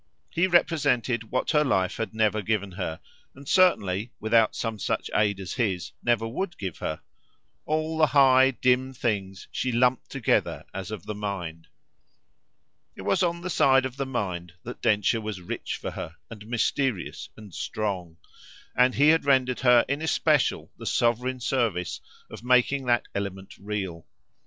He represented what her life had never given her and certainly, without some such aid as his, never would give her; all the high dim things she lumped together as of the mind. It was on the side of the mind that Densher was rich for her and mysterious and strong; and he had rendered her in especial the sovereign service of making that element real.